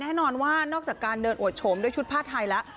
แน่นอนว่านอกจากการเดินอวดโฉมด้วยชุดผ้าไทยแล้ว